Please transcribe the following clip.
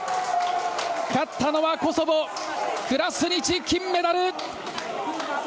勝ったのはコソボ、クラスニチ金メダル！